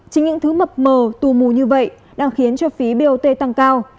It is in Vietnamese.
chính những thứ mập mờ tù mù như vậy đang khiến cho phí bot tăng cao